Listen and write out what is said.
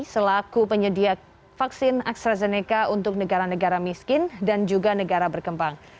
selaku penyedia vaksin astrazeneca untuk negara negara miskin dan juga negara berkembang